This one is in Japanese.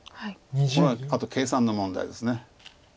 これはあと計算の問題です。